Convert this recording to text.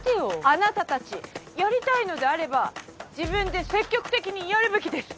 あなたたちやりたいのであれば自分で積極的にやるべきです。